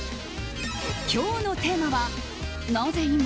今日のテーマはなぜ今？